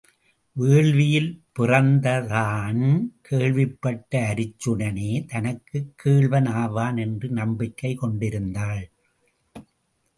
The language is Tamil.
வேள்வியில் பிறந்த தான் கேள்விப்பட்ட அருச்சுனனே தனக்குக் கேள்வன் ஆவான் என்ற நம்பிக்கை கொண்டிருந்தாள்.